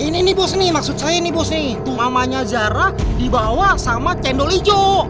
ini nih bos maksud saya nih bos tuh mamanya zara dibawa sama cendol hijau